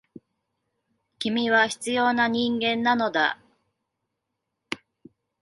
君は必要な人間なのだ。